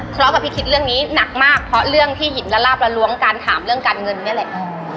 เพราะกับพี่คิดเรื่องนี้หนักมากเพราะเรื่องที่หินละลาบละล้วงการถามเรื่องการเงินนี่แหละ